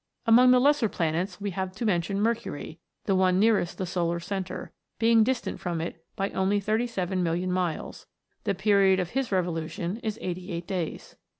Among the lesser planets, we have to mention Mercury, the one nearest the solar centre, being distant from it only 37,000,000 miles ; the period of his revolution is 88 days.